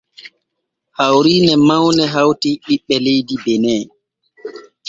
Hawriine mawne hawti ɓiɓɓe leydi benin.